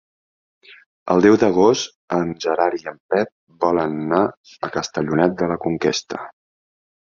El deu d'agost en Gerard i en Pep volen anar a Castellonet de la Conquesta.